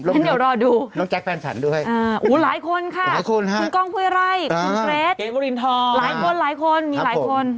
เดี๋ยวรอดูอ๋อหูหลายคนค่ะคุณก้องพุยไรคุณเกรทหลายคนหลายคนมีหลายคน